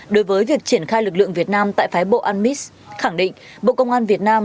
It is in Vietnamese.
đối với việc triển khai lực lượng việt nam tại phái bộ anmis khẳng định bộ công an việt nam